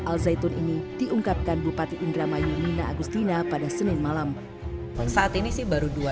al zaitun ini diungkapkan bupati indramayu nina agustina pada senin malam saat ini sih baru dua